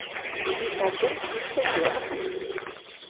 І тады, і цяпер.